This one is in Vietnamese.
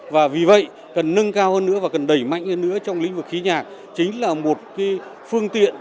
và vì vậy cần nâng cao hơn nữa và cần đẩy mạnh hơn nữa trong lĩnh vực khí nhạc chính là một phương tiện